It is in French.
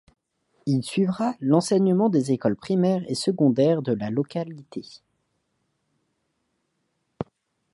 Il y suivra l'enseignement des écoles primaire et secondaire de la localité.